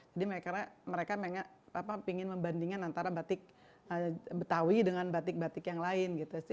jadi mereka memang ingin membandingkan antara batik betawi dengan batik batik yang lain gitu